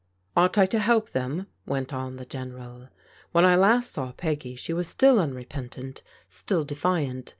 "Ought I to help them?" went on the General. " When I last saw Peggy she was still tmrepentant, still defiant.